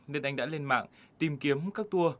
nên anh đã lên mạng tìm kiếm các tour